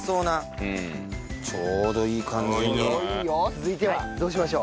続いてはどうしましょう？